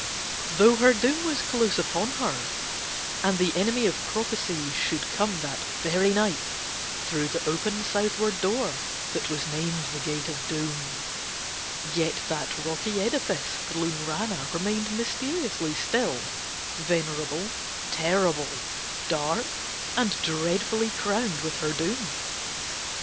Though her doom was close upon her and the enemy of prophecy should come that very night through the open, southward door that was named the Gate of the Doom, yet that rocky edifice Thlunrana remained mysterious still, venerable, terrible, dark, and dreadfully crowned with her doom.